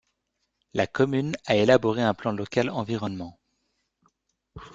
La commune a élaboré un plan local environnement.